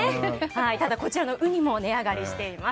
ただこちらのウニも値上がりしています。